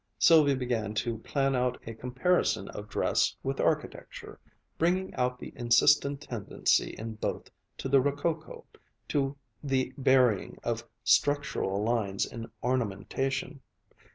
Sylvia began to plan out a comparison of dress with architecture, bringing out the insistent tendency in both to the rococo, to the burying of structural lines in ornamentation.